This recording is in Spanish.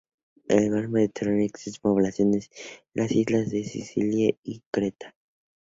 En el Mar Mediterráneo, existen poblaciones en las islas de Sicilia y Creta.